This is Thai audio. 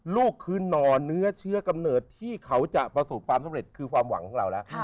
ลูกคือหน่อเนื้อเชื้อกำเนิดที่เขาจะประสบความสำเร็จคือความหวังของเราแล้ว